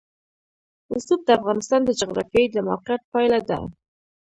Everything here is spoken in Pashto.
رسوب د افغانستان د جغرافیایي موقیعت پایله ده.